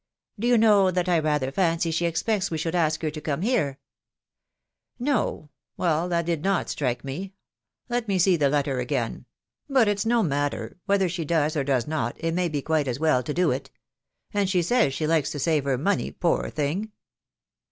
" Do you know that I rather fancy she expects we should ask her to come here ?"" No !...• Well, that did not strike me. Let me see the letter again. ... But it's no matter ; whether she does or does not, it may be quite as well to do it ;..• and she says she likes to save her money, poor thing."